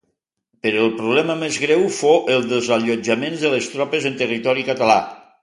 Però el problema més greu fou el dels allotjaments de les tropes en territori català.